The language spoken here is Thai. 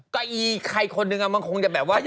เก้าอีใครคนนึงมันคงจะแบบว่า